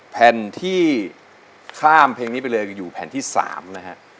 แผ่นที่ข้ามเพลงนี้ไปเลยอยู่แผ่นที่๓นะฮะ